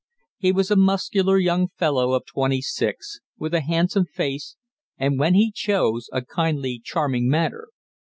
He was a muscular young fellow of twenty six, with a handsome face, and, when he chose, a kindly charming manner.